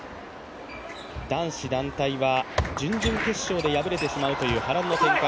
男子団体は準々決勝で敗れてしまうという波乱の展開。